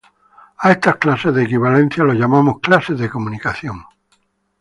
A estas clases de equivalencia las llamaremos "clases de comunicación".